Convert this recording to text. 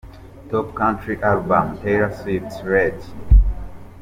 Top Country Album: Taylor Swift "Red" .